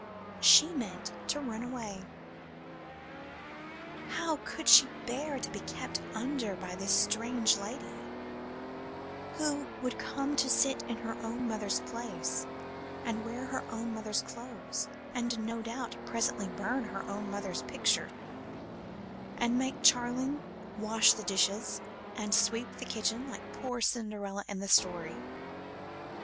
She meant to run away. How could she bear to be "kept under" by this strange lady, who would come and sit in her own mother's place, and wear her own mother's clothes, and no doubt presently burn her own mother's picture, and make Charling wash the dishes and sweep the kitchen like poor dear Cinderella in the story?